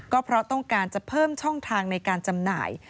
ก็เพราะต้องการจะเพิ่มช่องทางในการจำหน่าย